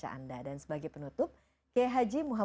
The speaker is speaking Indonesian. bapak dan ibu yang dikirimkan